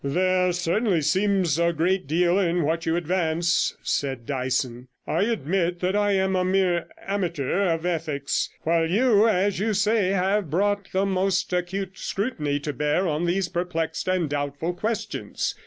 'There certainly seems a great deal in what you advance,' said Dyson. 'I admit that I am a mere amateur of ethics, while you, as you say, have brought the most acute scrutiny to bear on these perplexed and doubtful questions.